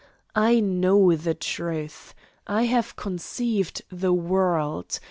I know the truth. I have conceived the world!